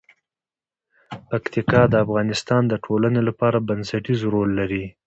پکتیکا د افغانستان د ټولنې لپاره بنسټيز رول لري.